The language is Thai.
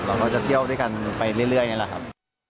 เขาก็จะเที่ยวด้วยกันไปเรื่อยนี่แหละครับ